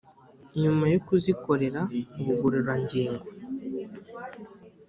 nyuma yo kuzikorera ubugororangingo.